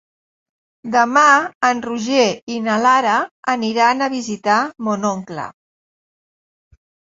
Demà en Roger i na Lara aniran a visitar mon oncle.